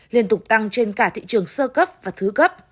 liên tục tăng trên cả thị trường sơ cấp và thứ cấp